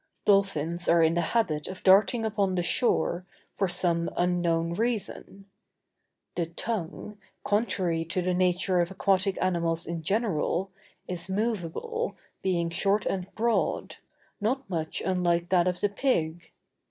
Dolphins are in the habit of darting upon the shore, for some unknown reason. The tongue, contrary to the nature of aquatic animals in general, is movable, being short and broad, not much unlike that of the pig.